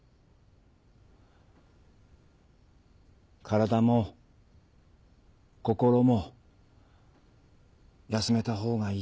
体も心も休めたほうがいいって。